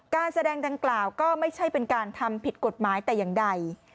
การแสดงดังกล่าวก็ไม่ใช่เป็นการทำผิดกฎหมายแต่อย่างใด